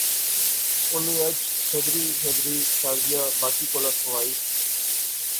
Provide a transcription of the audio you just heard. اُنی اج پھیدری پھیدری شازیہ باقیں کولا ٹھوالی